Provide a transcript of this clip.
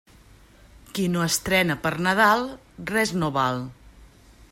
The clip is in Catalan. Qui no estrena per Nadal, res no val.